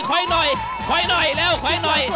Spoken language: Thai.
คอยหน่อยเร็วคอยหน่อย